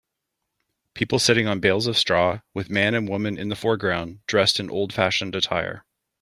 People sitting on bales of straw with man and woman in the foreground dressed in oldfashioned attire.